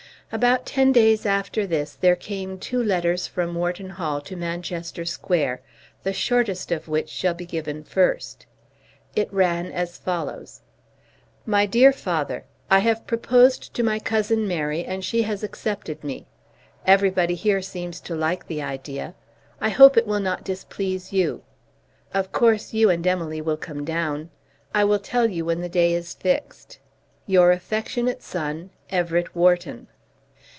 About ten days after this there came two letters from Wharton Hall to Manchester Square, the shortest of which shall be given first. It ran as follows: MY DEAR FATHER, I have proposed to my cousin Mary, and she has accepted me. Everybody here seems to like the idea. I hope it will not displease you. Of course you and Emily will come down. I will tell you when the day is fixed. Your affectionate son, EVERETT WHARTON.